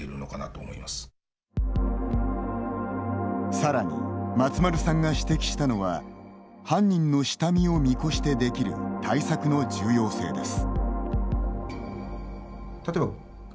さらに松丸さんが指摘したのは犯人の下見を見越してできる対策の重要性です。